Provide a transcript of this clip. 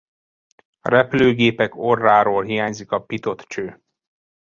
A repülőgépek orráról hiányzik a Pitot-cső.